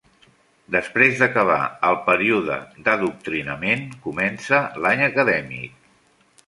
Després d'acabar el període d'adoctrinament, comença l'any acadèmic.